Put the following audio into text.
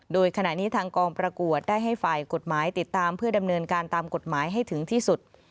โดยขณะนี้ทางกองประกวดได้ให้ฝ่ายกฎหมายติดตามเพื่อดำเนินการตามกฎหมายให้ถึงที่สุด